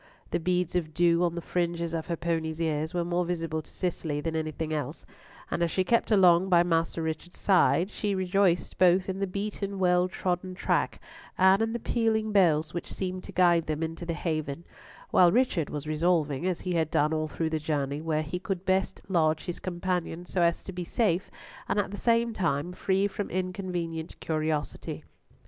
The beads of dew on the fringes of her pony's ears were more visible to Cicely than anything else, and as she kept along by Master Richard's side, she rejoiced both in the beaten, well trodden track, and in the pealing bells which seemed to guide them into the haven; while Richard was resolving, as he had done all through the journey, where he could best lodge his companion so as to be safe, and at the same time free from inconvenient curiosity.